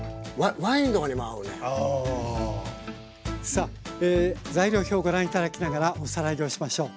さあ材料表をご覧頂きながらおさらいをしましょう。